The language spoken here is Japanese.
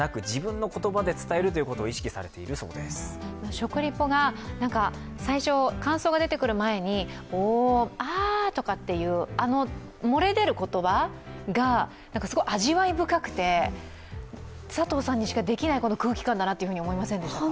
食リポが最初、感想が出てくる前におお、ああとかっていうあの漏れ出る言葉がすごい味わい深くて佐藤さんにしかできない空気感だなっていうふうに思いませんでしたか？